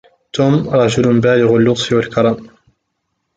توم رجل بالغ اللطف والكرم.